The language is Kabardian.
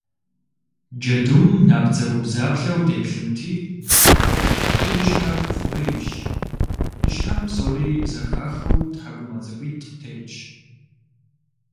Джэдум набдзэгубдзаплъэу деплъынти, абы и щхьэр хъурейщ, и щхьэм псори зэхахыу тхьэкӏумэ цӏыкӏуитӏ тетщ.